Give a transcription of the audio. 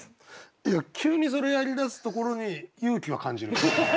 いや急にそれやりだすところに勇気は感じる。